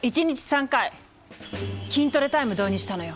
３回筋トレタイム導入したのよ。